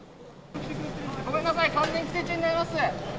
ごめんなさい、規制線になります。